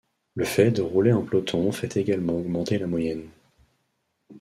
Le fait de rouler en peloton fait également augmenter la moyenne.